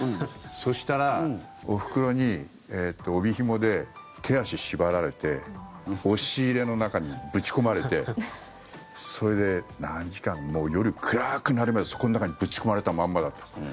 そしたら、おふくろに帯ひもで手足縛られて押し入れの中にぶち込まれてそれで何時間夜暗くなるまでそこの中にぶち込まれたままだったんです。